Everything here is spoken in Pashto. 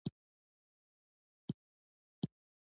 ازادي راډیو د اقتصاد په اړه د نړیوالو رسنیو راپورونه شریک کړي.